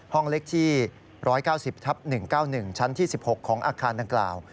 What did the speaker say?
ห้องเล็กที่๑๙๐ทับ๑๙๑ชั้นที่๑๖ของอาคารดังกล่าว